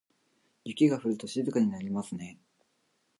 雪が降ると静かになりますね。